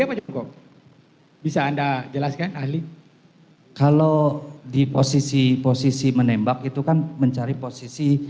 siapa bisa anda jelaskan ahli kalau di posisi posisi menembak itu kan mencari posisi